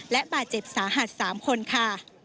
และบาดเจ็บสาหัส๓คนค่ะ